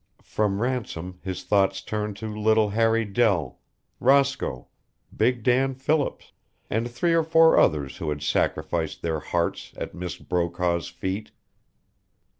From Ransom his thoughts turned to little Harry Dell, Roscoe, big Dan Philips, and three or four others who had sacrificed their hearts at Miss Brokaw's feet.